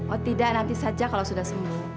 oh tidak nanti saja kalau sudah sembuh